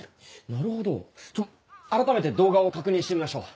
なるほど改めて動画を確認してみましょう。